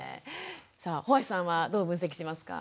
さあ帆足さんはどう分析しますか？